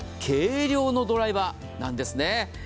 軽量のドライバーなんですね。